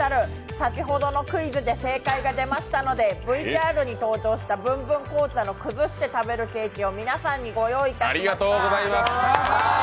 先ほどのクイズで正解が出ましたので、ＶＴＲに登場したブンブン紅茶の崩して食べるケーキを皆さんにご用意いたしました。